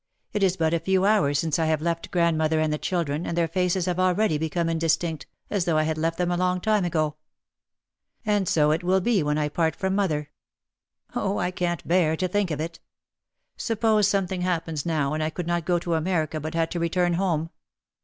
It is but a few hours since I have left grandmother and the children and their faces have already become indistinct, as though I had left them a long time ago. And so it will be when I part from mother. Oh, I can't bear to think of it ! Sup pose something happens now and I could not go to America but had to return home.